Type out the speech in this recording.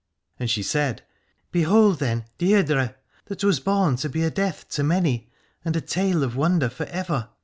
And she said: Behold then Deirdre, that was born to be a death to many and a tale of wonder for ever.